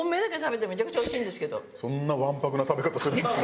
そんなわんぱくな食べ方するんですね。